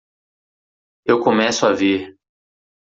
Eu começo a ver.